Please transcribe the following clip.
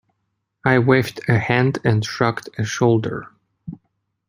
I waved a hand and shrugged a shoulder.